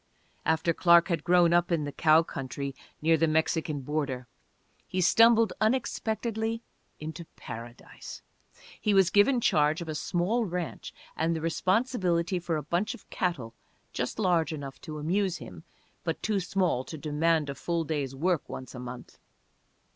After Clark had grown up, in the cow country near the Mexican border, he stumbled unexpectedly into paradise. He was given charge of a small ranch and the responsibility for a bunch of cattle just large enough to amuse him, but too small to demand a full day's work once a month.